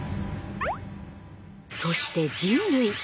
そして人類。